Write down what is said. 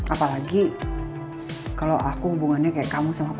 apalagi kalau aku hubungannya kayak kamu sama papa